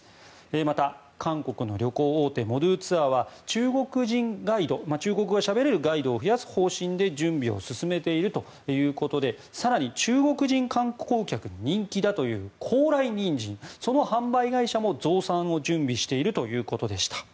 また、韓国の旅行大手モドゥツアーは中国人ガイド中国語が喋れるガイドを増やす方針で準備を進めているということで更に中国人観光客に人気だという高麗ニンジン、その販売会社も増産を準備しているということでした。